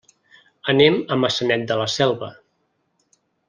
Anem a Maçanet de la Selva.